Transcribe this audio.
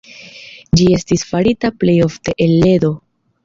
Ĝi estis farita plej ofte el ledo.